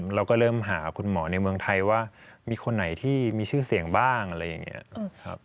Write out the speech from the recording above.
เราก็เริ่มหาคุณหมอในเมืองไทยว่ามีคนไหนที่มีชื่อเสียงบ้างอะไรอย่างนี้